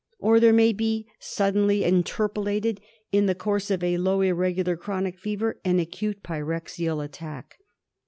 Or there may be suddenly interpolated in the course of a, low irregular chronic fever an acute pyrexial attack.